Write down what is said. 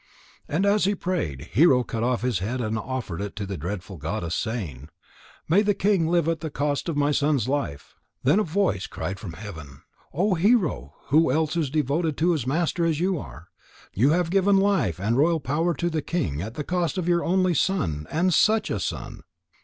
And as he prayed, Hero cut off his head and offered it to the Dreadful Goddess, saying: "May the king live at the cost of my son's life!" Then a voice cried from heaven: "O Hero, who else is devoted to his master as you are? You have given life and royal power to the king at the cost of your only son, and such a son."